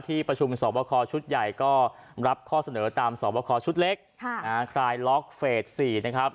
ที่ประชุมสอบคอชุดใหญ่ก็รับข้อเสนอตามสอบคอชุดเล็กคลายล็อกเฟส๔นะครับ